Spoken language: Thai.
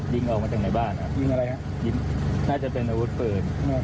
ยิงออกมาจากในบ้านยิงอะไรฮะยิงน่าจะเป็นอาวุธปืน